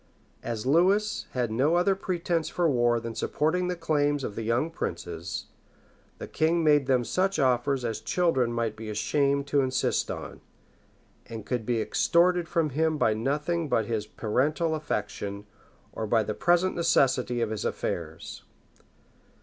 As Lewis had no other pretence for war than supporting the claims of the young princes, the king made them such offers as children might be ashamed to insist on, and could be extorted from him by nothing but his parental affection, or by the present necessity of his affairs.